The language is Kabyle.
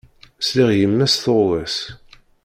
Sliɣ i yemma-s tuɣwas.